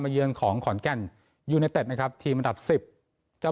เยือนของขอนแก่นยูเนเต็ดนะครับทีมอันดับสิบจะ